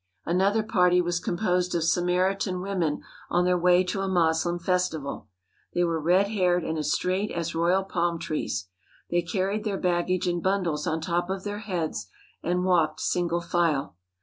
Another party was composed of Samaritan women on their way to a Moslem festival. They were red haired and as straight as royal palm trees. They carried their baggage in bundles on top of their heads and walked sin gle file.